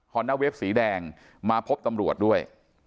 นาเวฟสีแดงมาพบตำรวจด้วย